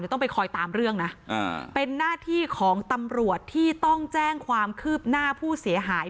ต้องไปคอยตามเรื่องนะเป็นหน้าที่ของตำรวจที่ต้องแจ้งความคืบหน้าผู้เสียหาย